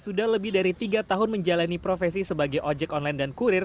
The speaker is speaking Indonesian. sudah lebih dari tiga tahun menjalani profesi sebagai ojek online dan kurir